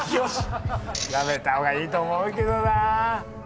やめた方がいいと思うけどな。